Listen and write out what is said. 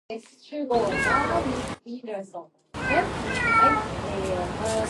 The fortress is described in Tolkien's "The Silmarillion".